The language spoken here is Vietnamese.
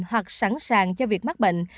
hoặc sẵn sàng cho việc mắc bệnh